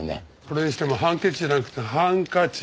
それにしてもハンケチじゃなくてハンカチ！